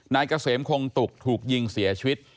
นายเกษมคงตุกถูกยิงเสียชีวิต